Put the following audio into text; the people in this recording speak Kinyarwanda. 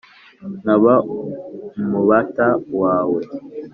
Nkaba umubata wawe.